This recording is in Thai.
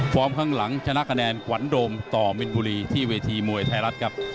ข้างหลังชนะคะแนนขวัญโดมต่อมินบุรีที่เวทีมวยไทยรัฐครับ